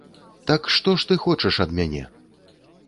Так, што ж ты хочаш ад мяне?